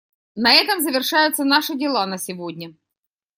На этом завершаются наши дела на сегодня.